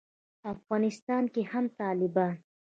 افغانستان کې هم طالبان